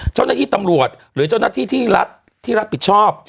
เจ้าหน้าที่ตำรวจหรือเจ้าหน้าที่ที่รัฐที่รับผิดชอบ